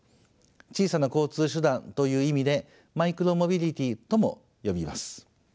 「小さな交通手段」という意味でマイクロモビリティーとも呼びます。